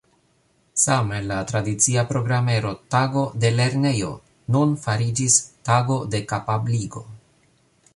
Same la tradicia programero Tago de lernejo nun fariĝis Tago de kapabligo.